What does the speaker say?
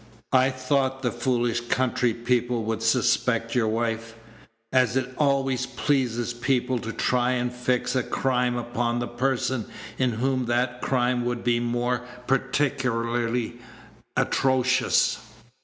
I thought the foolish country people would suspect your wife, as it always pleases people to try and fix a crime upon the person in whom that crime would be more particularly atrocious.